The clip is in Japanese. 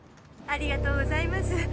「ありがとうございます」